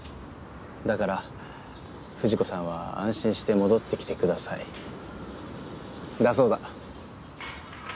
だから藤子さんは安心して戻ってきてください」だそうだ。